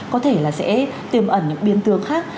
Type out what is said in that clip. có thể là sẽ tìm ẩn những biên tường khác